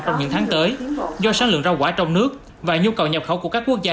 trong những tháng tới do sáng lượng rau quả trong nước và nhu cầu nhập khẩu của các quốc gia